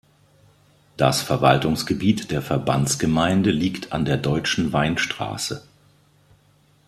Das Verwaltungsgebiet der Verbandsgemeinde liegt an der Deutschen Weinstraße.